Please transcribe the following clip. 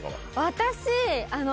私。